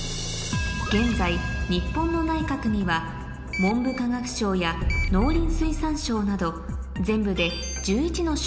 現在日本の内閣には文部科学省や農林水産省など全部で１１の省があります